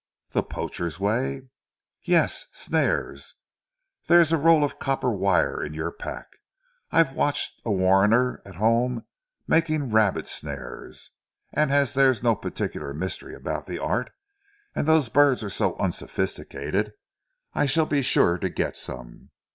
"The poacher's way?" "Yes. Snares! There is a roll of copper wire in your pack. I've watched a warrener at home making rabbit snares, and as there's no particular mystery about the art, and those birds are so unsophisticated, I shall be sure to get some.